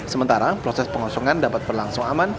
sementara proses pengosongan dapat berlangsung aman